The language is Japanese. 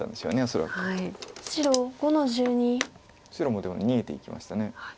白もでも逃げていきました。